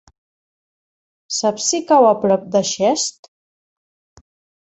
Saps si cau a prop de Xest?